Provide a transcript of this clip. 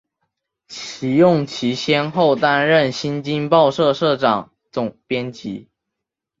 利用其先后担任新京报社社长、总编辑